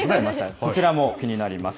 こちらも気になります。